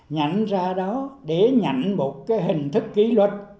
nhận ra đó để nhận một cái hình thức ký luật